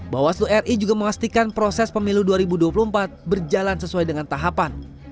bawaslu ri juga memastikan proses pemilu dua ribu dua puluh empat berjalan sesuai dengan tahapan